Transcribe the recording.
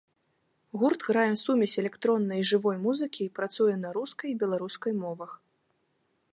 Гурт грае сумесь электроннай і жывой музыкі і працуе на рускай і беларускай мовах.